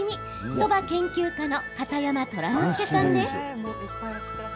そば研究家の片山虎之介さんです。